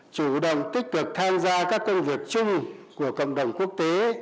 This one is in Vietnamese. chủ động tích cực tham gia các công việc chung của cộng đồng quốc tế